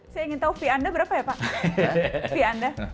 saya ingin tahu fee anda berapa ya pak